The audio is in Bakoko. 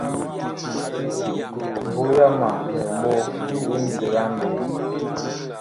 Mbu yama ɛg ɓoh ki miseɓe a nlɛɛ.